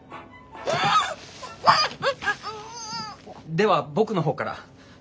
では僕の方から。